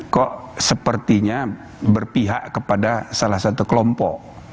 kok sepertinya berpihak kepada salah satu kelompok